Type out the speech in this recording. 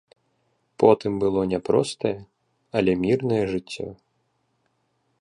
Потым было няпростае, але мірнае жыццё.